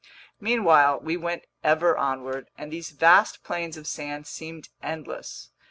Meanwhile we went ever onward, and these vast plains of sand seemed endless.